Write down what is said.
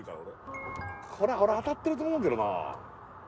これ俺当たってると思うけどな。